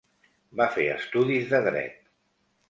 Va fer estudis de dret.